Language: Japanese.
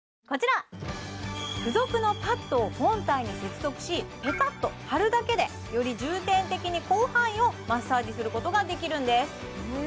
こちら付属のパッドを本体に接続しペタッと貼るだけでより重点的に広範囲をマッサージすることができるんです